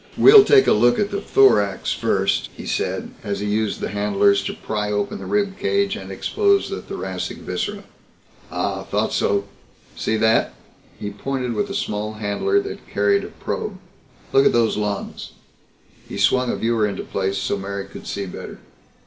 "We'll take a look at the thorax first," he said, as he used the handlers to pry open the rib cage and expose the thoracic viscera. "Ah! Thought so! See that?" He pointed with a small handler that carried a probe. "Look at those lungs." He swung a viewer into place so Mary could see better.